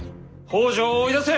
北条を追い出せ！